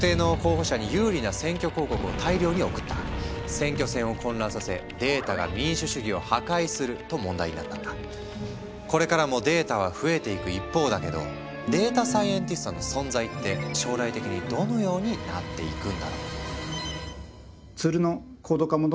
選挙戦を混乱させこれからもデータは増えていく一方だけどデータサイエンティストの存在って将来的にどのようになっていくんだろう？